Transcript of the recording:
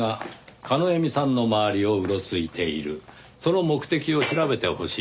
その目的を調べてほしい。